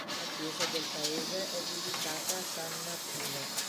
La chiesa del paese è dedicata a San Martino.